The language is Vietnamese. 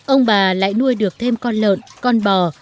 ông bà lại nuôi được thêm con lợn con bò